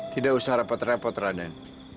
tidak usah rapat rapat raden